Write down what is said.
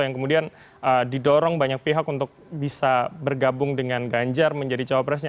yang kemudian didorong banyak pihak untuk bisa bergabung dengan ganjar menjadi cawapresnya